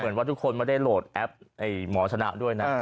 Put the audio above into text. เหมือนว่าทุกคนไม่ได้โหลดแอปหมอชนะด้วยนะ